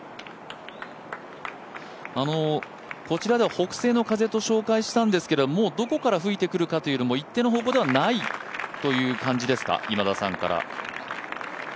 こちらでは北西の風と紹介したんですけれども、もうどこから吹いてくるかというよりも一定の方向ではないということですか？